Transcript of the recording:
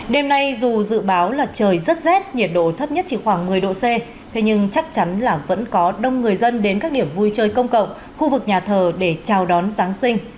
đêm nay dù dự báo là trời rất rét nhiệt độ thấp nhất chỉ khoảng một mươi độ c thế nhưng chắc chắn là vẫn có đông người dân đến các điểm vui chơi công cộng khu vực nhà thờ để chào đón giáng sinh